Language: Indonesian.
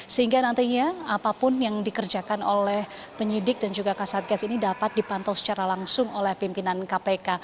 sehingga nantinya apapun yang dikerjakan oleh penyidik dan juga kasatgas ini dapat dipantau secara langsung oleh pimpinan kpk